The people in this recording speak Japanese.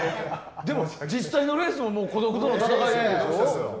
でも実際のレースも孤独との闘いですよね。